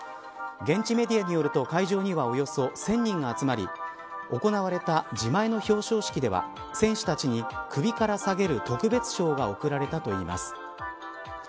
現地メディアによると会場にはおよそ１０００人が集まり行われた自前の表彰式では選手たちに首から下げる特別賞が贈られたといいます。